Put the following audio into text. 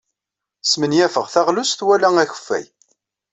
Smenyafeɣ taɣlust wala akeffay.